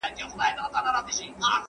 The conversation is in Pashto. ¬ باغ که باغوان لري، چغال بيا خداى لري.